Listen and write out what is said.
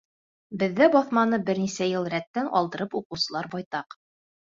Беҙҙә баҫманы бер нисә йыл рәттән алдырып уҡыусылар байтаҡ.